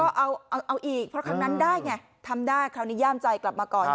ก็เอาอีกเพราะครั้งนั้นได้ไงทำได้คราวนี้ย่ามใจกลับมาก่อน